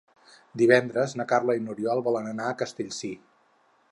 Divendres na Carla i n'Oriol volen anar a Castellcir.